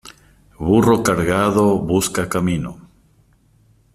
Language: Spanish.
Burro cargado, busca camino.